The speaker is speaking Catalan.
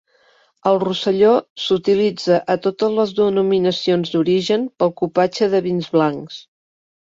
Al Rosselló s'utilitza a totes les denominacions d'origen pel cupatge de vins blancs.